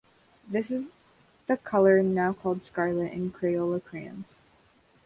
This is the color now called "scarlet" in Crayola crayons.